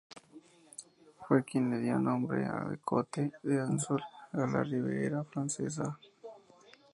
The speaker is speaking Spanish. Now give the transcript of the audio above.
Fue quien dio el nombre de Côte d'Azur a la Riviera Francesa.